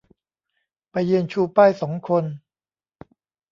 ไปยืนชูป้ายสองคน